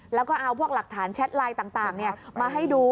แล้วก็เอาพวกหลักฐานแชทไลน์ต่างมาให้ดู